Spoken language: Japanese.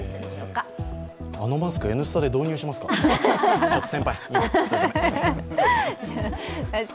あのマスク、「Ｎスタ」で導入しますか。